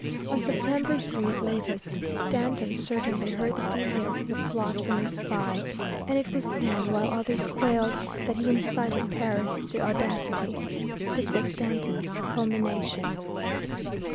On September 3, at latest, Danton certainly heard the details of the plot from a spy, and it was then, while others quailed, that he incited Paris to audacity. This was Danton's culmination.